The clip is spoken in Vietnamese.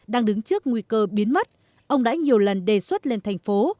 đang đứng trước nguy cơ biến mất ông đã nhiều lần đề xuất lên thành phố